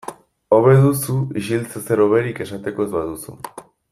Hobe duzu isiltze ezer hoberik esateko ez baduzu.